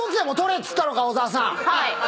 はい。